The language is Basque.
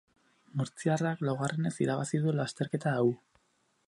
Murtziarrak, laugarrenez irabazi du lasterketa hau.